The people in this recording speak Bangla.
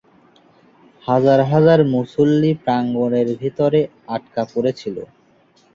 হাজার হাজার মুসল্লি প্রাঙ্গণের ভিতরে আটকা পড়েছিল।